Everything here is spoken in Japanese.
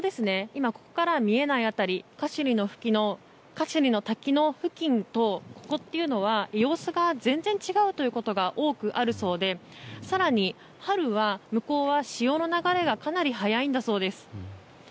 今ここからは見えない辺りカシュニの滝の付近とここは様子が全然違うことが多くあるそうで更に春は向こうは潮の流れがかなり速いんだそうです。